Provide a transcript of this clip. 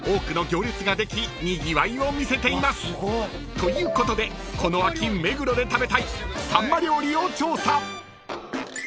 ということでこの秋目黒で食べたいさんま料理を調査］